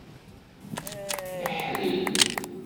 Iḥlil.